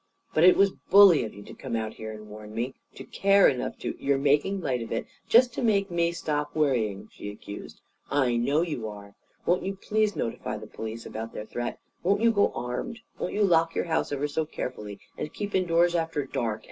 But it was bully of you to come out here to warn me to care enough to " "You're making light of it, just to make me stop worrying!" she accused. "I know you are! Won't you please notify the police about their threat? Won't you go armed? Won't you lock your house ever so carefully and keep indoors after dark?